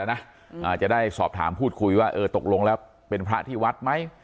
อาจจะได้สอบถามพูดคุยว่าเออตกลงแล้วเป็นพระที่วัดไหม